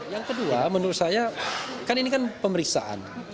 yang kedua menurut saya kan ini kan pemeriksaan